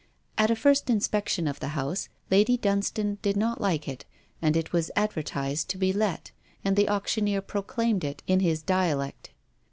At a first inspection of the house, Lady Dunstane did not like it, and it was advertized to be let, and the auctioneer proclaimed it in his dialect.